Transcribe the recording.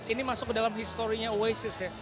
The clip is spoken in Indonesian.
ini masuk ke dalam historinya osis ya